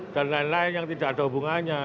dan lain lain yang tidak ada hubungannya